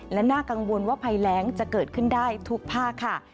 และน่ากังวลว่าภัยแรงจะเกิดขึ้นได้ทุกภาคค่ะ